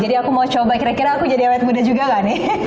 jadi aku mau coba kira kira aku jadi awet muda juga gak nih